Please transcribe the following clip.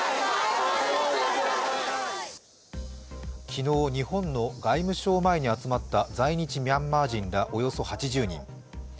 昨日、日本の外務省前に集まった在日ミャンマー人らおよそ８０人。